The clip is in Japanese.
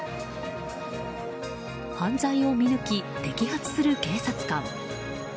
犯罪を見抜き、摘発する警察官。